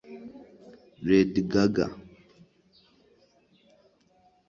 Lady Gaga